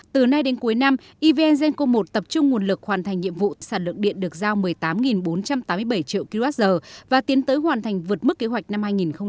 từ nay đến cuối năm evn genco một tập trung nguồn lực hoàn thành nhiệm vụ sản lượng điện được giao một mươi tám bốn trăm tám mươi bảy triệu kwh và tiến tới hoàn thành vượt mức kế hoạch năm hai nghìn hai mươi